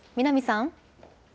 南さん。